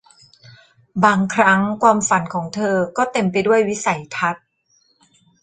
บางครั้งความฝันของเธอก็เต็มไปด้วยวิสัยทัศน์